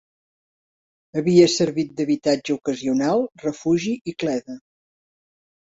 Havia servit d'habitatge ocasional, refugi i cleda.